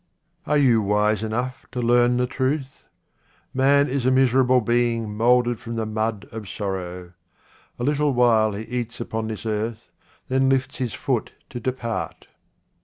Are you wise enough to learn the truth ? Man is a miserable being moulded from the mud of sorrow. A little while he eats upon this earth, then lifts his foot to depart.